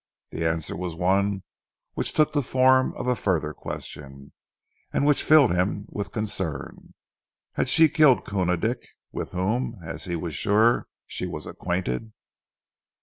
The answer was one which took the form of a further question and which filled him with concern. Had she killed Koona Dick, with whom, as he was sure, she was acquainted?